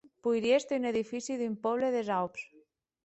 Poirie èster un edifici d'un pòble des Aups.